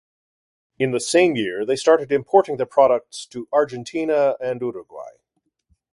In the same year they started importing their products to Argentina and Uruguay.